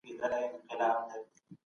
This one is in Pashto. تعلیم د کار د کیفیت په ښه کولو اغېز لري.